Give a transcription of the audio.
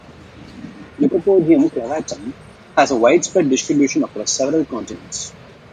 "Lycopodium clavatum" has a widespread distribution across several continents.